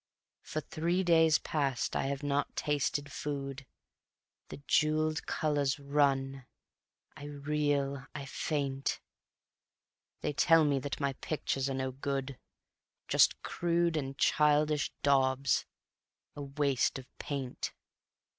For three days past I have not tasted food; The jeweled colors run ... I reel, I faint; They tell me that my pictures are no good, Just crude and childish daubs, a waste of paint.